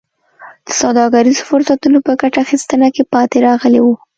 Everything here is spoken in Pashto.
د سوداګریزو فرصتونو په ګټه اخیستنه کې پاتې راغلي وو.